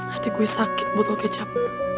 hati gue sakit butuh kecap